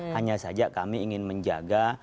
hanya saja kami ingin menjaga